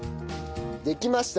できました。